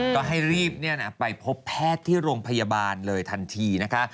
ก็ให้รีบไปพบแพทย์ที่โรงพยาบาลเลยทันทีนะคะ